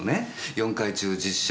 ４回中実車